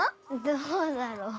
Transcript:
どうだろう。